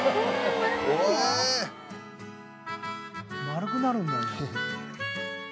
丸くなるんだね。